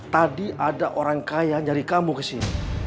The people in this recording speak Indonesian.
tadi ada orang kaya nyari kamu kesini